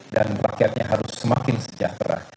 dan rakyatnya harus semakin sejahtera